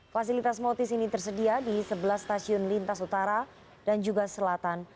fasilitas motis ini tersedia di sebelah stasiun lintas utara dan juga selatan